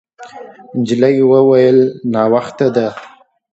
نجلۍ وویل: «ناوخته دی.»